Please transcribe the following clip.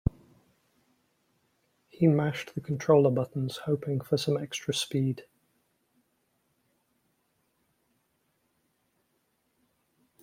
He mashed in the controller buttons, hoping for some extra speed.